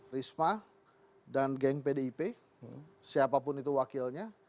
risma dan geng pdip siapapun itu wakilnya